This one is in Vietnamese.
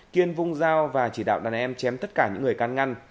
kiên vung dao và chỉ đạo đàn em chém tất cả những người can ngăn